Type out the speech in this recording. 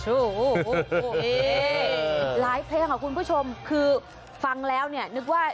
หลายเพลงคุณผู้ชมคือฟังแล้วนึกว่า